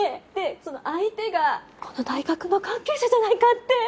その相手がこの大学の関係者じゃないかって！